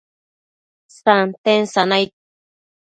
santen sanaid